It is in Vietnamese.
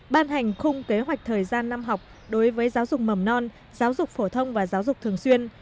ban hành khung kế hoạch thời gian năm học đối với giáo dục mầm non giáo dục phổ thông và giáo dục thường xuyên